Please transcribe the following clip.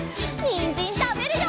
にんじんたべるよ！